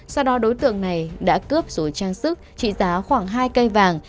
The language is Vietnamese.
sau đó đối tượng này đã cướp rồi trang sức trị giá khoảng hai cây vàng